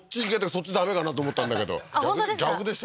そっちダメかなと思ったんだけど本当ですか？